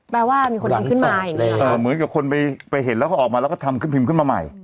แปลว่ามีคนดังขึ้นมาอีกแล้วเหมือนกับคนไปไปเห็นแล้วก็ออกมาแล้วก็ทำขึ้นพิมพ์ขึ้นมาใหม่